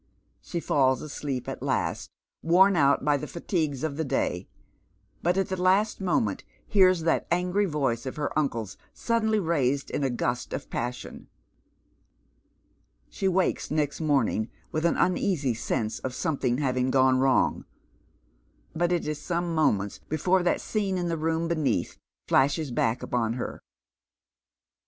She falls asleep at last, worn out by the fatigues of the day, but at the last moment hoars that augiy voice of her uncle's Bud • denly raised in a gust of passion. Slie wakes next morning with an uneasy sense of something having gone wrong ; but it is some moments before that scene in the room beneath flashes back upon her.